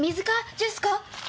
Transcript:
ジュースか？